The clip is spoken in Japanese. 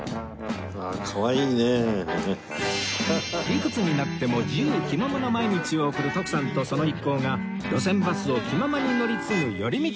いくつになっても自由気ままな毎日を送る徳さんとその一行が路線バスを気ままに乗り継ぐ寄り道の旅